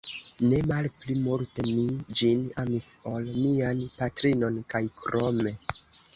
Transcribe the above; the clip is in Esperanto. Ne malpli multe mi ĝin amis, ol mian patrinon, kaj krome.